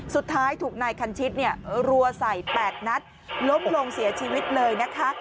สุดท้ายถูกนายคันชิดเนี่ยรัวใส่๘นัดล้มลงเสียชีวิตเลยนะคะ